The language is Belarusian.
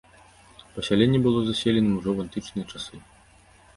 Пасяленне было заселеным ужо ў антычныя часы.